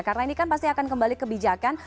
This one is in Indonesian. karena ini pasti akan kembali kebijakan